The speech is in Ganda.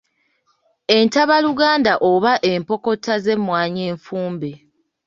Entabaluganda oba empokota z'emwanyi enfumbe.